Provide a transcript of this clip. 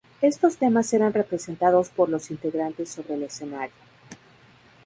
Estos temas eran representados por los integrantes sobre el escenario.